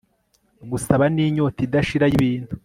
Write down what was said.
gusaba n'inyota idashira y'ibintu